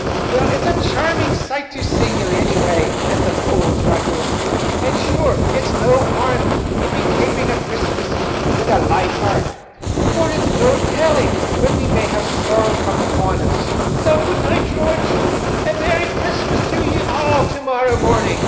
Well, it's a charming sight to see ye, anyway, at the Bould Dragoon; and sure it's no harm to be kaping a Christmas eve wid a light heart, for it's no telling when we may have sorrow come upon us. So good night, Joodge, and a merry Christmas to ye all tomorrow morning."